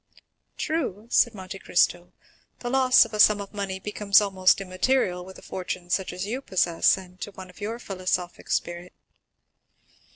"True," said Monte Cristo, "the loss of a sum of money becomes almost immaterial with a fortune such as you possess, and to one of your philosophic spirit."